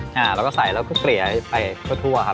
ต้องใส่เยอะไหมอ่าเราก็ไปเพื่อทัวร์ครับ